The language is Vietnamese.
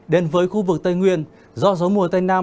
đến với khu vực tây nguyên do gió mùa tây nam